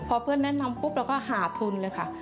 พอเพื่อนแนะนำปุ๊บเราก็หาทุนเลยค่ะ